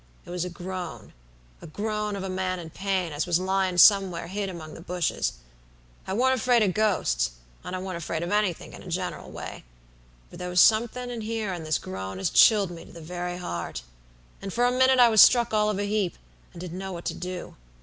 It was a groana groan of a man in pain, as was lyin' somewhere hid among the bushes. I warn't afraid of ghosts and I warn't afraid of anythink in a general way, but there was somethin in hearin' this groan as chilled me to the very heart, and for a minute I was struck all of a heap, and didn't know what to do.